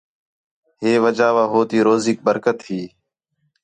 ہے وجہ وا ہو تی روزیک برکت ہی